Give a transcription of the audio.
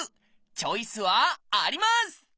チョイスはあります！